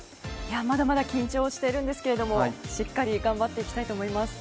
まだまだ緊張してるんですけどもしっかり頑張っていきたいと思います。